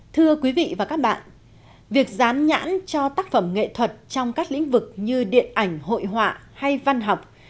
thưa quý vị và các bạn việc dán nhãn cho tác phẩm nghệ thuật trong các lĩnh vực như điện ảnh hội họa hay văn học